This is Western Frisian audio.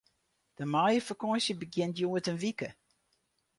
De maaiefakânsje begjint hjoed in wike.